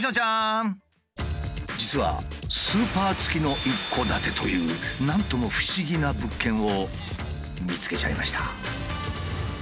実はスーパー付きの一戸建てという何とも不思議な物件を見つけちゃいました。